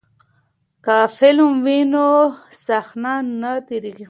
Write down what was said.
که فلم وي نو صحنه نه تیریږي.